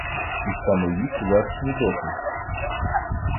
І самиї кулачні доки